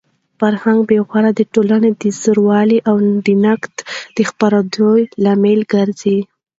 فرهنګي بې غوري د ټولنې د زوال او د نفاق د خپرېدو لامل ګرځي.